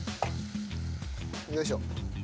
よいしょ。